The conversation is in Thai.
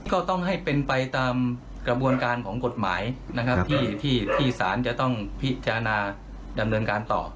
ก็ต้องให้เป็นไปตามกระบวนการของกฎหมายนะครับที่สารจะต้องพิจารณาดำเนินการต่อ